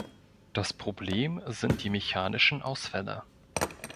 Das Problem sind die mechanischen Ausfälle.